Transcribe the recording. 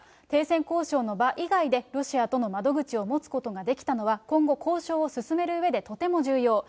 停戦交渉の場以外で、ロシアとの窓口を持つことができたのは、今後、交渉を進めるうえでとても重要。